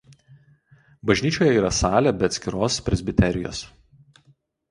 Bažnyčioje yra salė be atskiros presbiterijos.